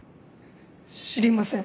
知りません。